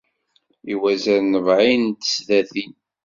I wazal n rebεin n tesdatin.